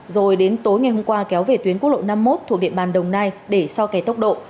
rồi đến tối ngày hôm qua kéo về tuyến quốc lộ năm mươi một thuộc địa bàn đồng nai để so kẻ tốc độ